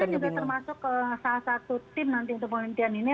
saya juga termasuk salah satu tim nanti untuk penelitian ini